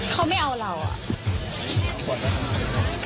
เขาไม่เอาเราอ่ะ